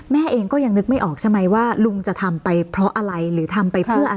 แม่เองก็ยังนึกไม่ออกใช่ไหมว่าลุงจะทำไปเพราะอะไรหรือทำไปเพื่ออะไร